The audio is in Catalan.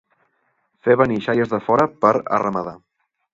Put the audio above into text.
Fer venir xaies de fora per arramadar.